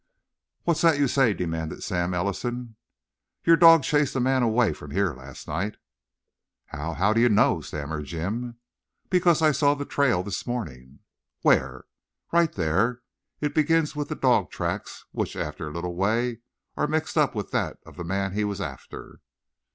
"What's that you say?" demanded Sam Ellison. "Your dog chased a man away from here last night." "How how do you know?" stammered Jim. "Because I saw the trail this morning." "Where?" "Right there. It begins with the dog's tracks, which, after a little way, are mixed up with that of the man he was after."